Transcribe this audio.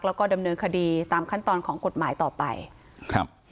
แล้วก็ดำเนินคดีตามขั้นตอนของกฎหมายต่อไปครับ